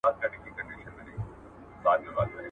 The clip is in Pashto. د باز له ځالي باز پاڅېږي.